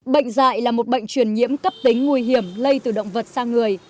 bệnh dạy là một bệnh truyền nhiễm cấp tính nguy hiểm lây từ động vật sang người